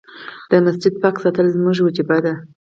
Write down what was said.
د مسجد پاک ساتل زموږ وجيبه ده.